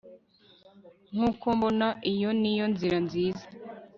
Nkuko mbona iyo niyo nzira nziza